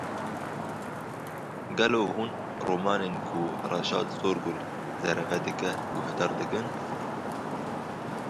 Gelo hûn romanên ku Reşad Sorgul zareve dike guhdar dikin?